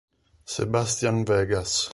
Sebastián Vegas